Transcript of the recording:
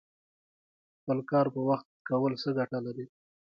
خپل کار په وخت کول څه ګټه لري؟